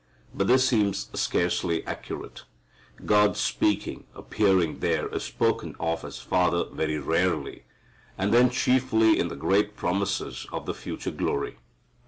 But this seems scarcely accurate. God speaking, appearing there is spoken of as Father very rarely, and then chiefly in the great promises of the future glory.